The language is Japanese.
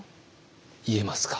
言えますか？